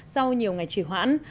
sau nhiều ngày chỉ hoãn